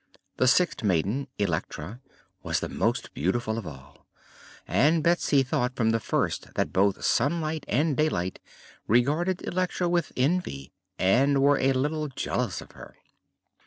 The sixth maiden, Electra, was the most beautiful of all, and Betsy thought from the first that both Sunlight and Daylight regarded Electra with envy and were a little jealous of her.